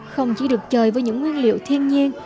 không chỉ được chơi với những nguyên liệu thiên nhiên